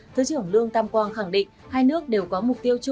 thứ trưởng lương tam quang khẳng định